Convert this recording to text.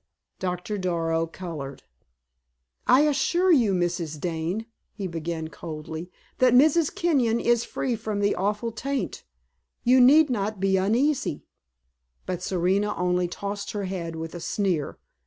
Doctor Darrow colored. "I assure you, Mrs. Dane," he began, coldly, "that Mrs. Kenyon is free from the awful taint. You need not be uneasy." But Serena only tossed her head with a sneer.